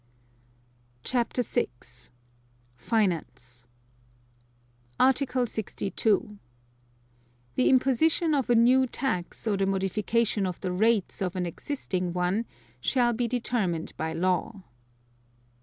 CHAPTER VI. FINANCE Article 62. The imposition of a new tax or the modification of the rates (of an existing one) shall be determined by law.